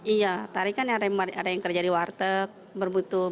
iya tadi kan ada yang kerja di warteg berhubung ke tanyaan gaji jualan